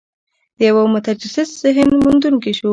د یوه متجسس ذهن موندونکي شو.